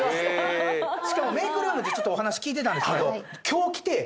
しかもメークルームでちょっとお話聞いてたんですけど。